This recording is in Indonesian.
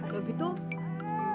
lho gitu aku mau